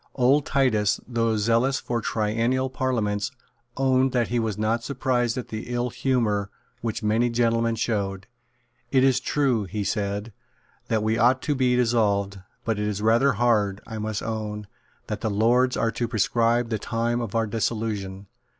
Old Titus, though zealous for triennial parliaments, owned that he was not surprised at the ill humour which many gentlemen showed. "It is true," he said, "that we ought to be dissolved; but it is rather hard, I must own, that the Lords are to prescribe the time of our dissolution.